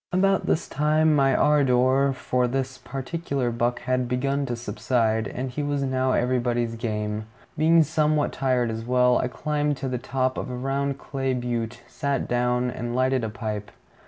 About this time my ardor for this particular buck had begun to subside, and he was now anybody's game. Being somewhat tired as well, I climbed to the top of a round clay butte, sat down, and lighted a pipe.